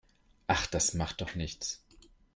Ach, das macht doch nichts.